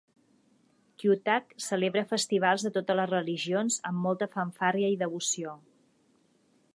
Cuttack celebra festivals de totes les religions amb molta fanfàrria i devoció.